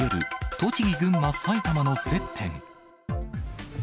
栃木、群馬、埼玉の接点。